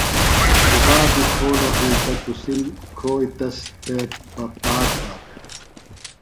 گُبا بیۡ کھولوۡ ہینتہ تُسم، کھوئیۡ تس تھےۡ بہ پاک پاک